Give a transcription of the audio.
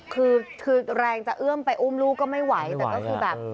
คือคือแรงจะเอื้อมไปอุ้มลูกก็ไม่ไหวแต่ก็คือแบบ